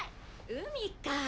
海か。